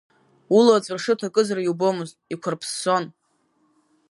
Ула аҵәыршы ҭакызар иубомызт, иқәар-ԥссон.